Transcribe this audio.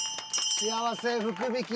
幸せ福引き。